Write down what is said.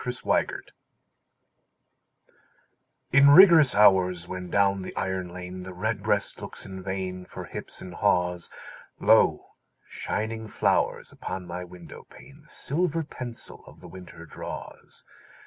XVII—WINTER In rigorous hours, when down the iron lane The redbreast looks in vain For hips and haws, Lo, shining flowers upon my window pane The silver pencil of the winter draws.